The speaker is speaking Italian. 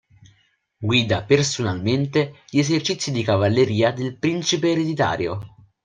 Guida personalmente gli esercizi di cavalleria del principe ereditario.